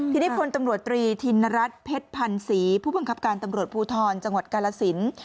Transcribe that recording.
ทีนี้พลตำรวจตรีธินรัฐเพชรพันธ์ศรีผู้บังคับการตำรวจภูทรจังหวัดกาลสิน